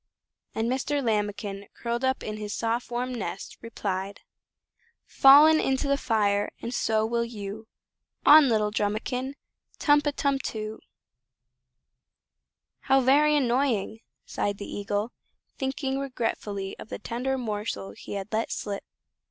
And Mr. Lambikin, curled up in his soft warm nest, replied: "Fallen into the fire, and so will you On little Drumikin. Tum pa, tum too!" "How very annoying!" sighed the Eagle, thinking regretfully of the tender morsel he had let slip.